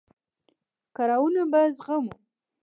کړاوونه به زغمو.